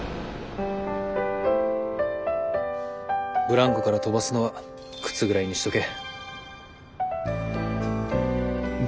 ブランコから飛ばすのは靴ぐらいにしとけ。